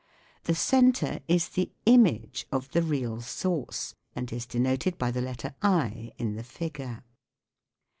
The centre is the " image " of the real source, and is denoted by the letter I in the figure.